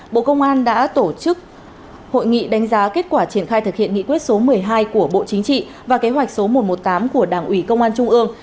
bộ công an đã tổ chức hội nghị đánh giá kết quả triển khai thực hiện nghị quyết số một mươi hai của bộ chính trị và kế hoạch số một trăm một mươi tám của đảng ủy công an trung ương